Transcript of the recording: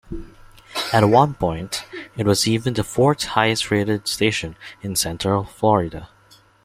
At one point, it was even the fourth-highest rated station in Central Florida.